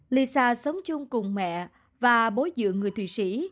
lisa sống chung cùng mẹ và bố dựa người thùy sĩ